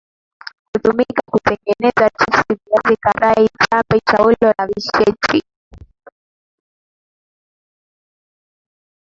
Hutumika kutengeneza chipsi viazi karai tambi chaulo na visheti